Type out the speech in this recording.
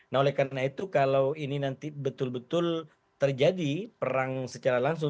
nah oleh karena itu kalau ini nanti betul betul terjadi perang secara langsung